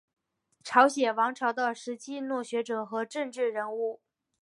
朝鲜王朝的时期儒学者和政治人物。